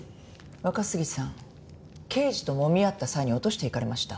若杉さん刑事と揉み合った際に落としていかれました。